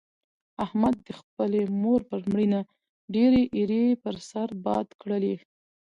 احمد د خپلې مور پر مړینه ډېرې ایرې پر سر باد کړلې.